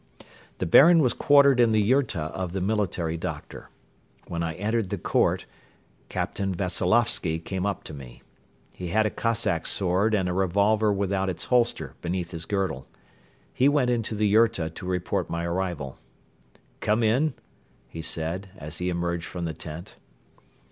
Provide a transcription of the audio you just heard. The Baron was quartered in the yurta of the military doctor. When I entered the court, Captain Veseloffsky came up to me. He had a Cossack sword and a revolver without its holster beneath his girdle. He went into the yurta to report my arrival. "Come in," he said, as he emerged from the tent.